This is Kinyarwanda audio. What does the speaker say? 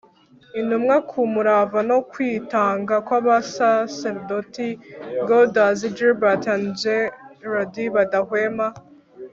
intumwa, ku murava no kwitanga kw'abasaserdoti gaudens, gilbert na gérard badahwema